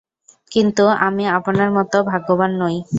কিন্তু আমি আপনার মতো ভাগ্যবান নই।